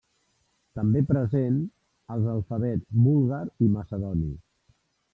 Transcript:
També present als alfabets búlgar i macedoni.